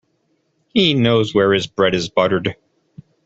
He knows where his bread is buttered.